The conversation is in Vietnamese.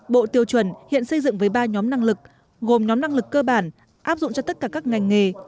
bộ tiêu chuẩn hiện xây dựng với ba nhóm năng lực gồm nhóm năng lực cơ bản áp dụng cho tất cả các ngành nghề